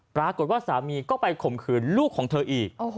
ปรากฏว่าสามีก็ไปข่มขืนลูกของเธออีก